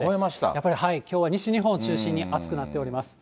やっぱりきょうは西日本を中心に暑くなっております。